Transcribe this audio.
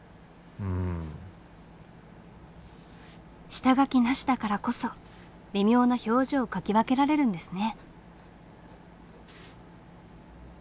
下描きなしだからこそ微妙な表情を描き分けられるんですね。